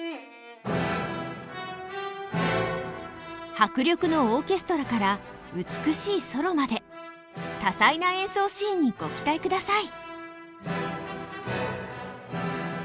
迫力のオーケストラから美しいソロまで多彩な演奏シーンにご期待ください。